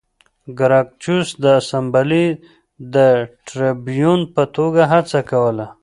ګراکچوس د اسامبلې د ټربیون په توګه هڅه کوله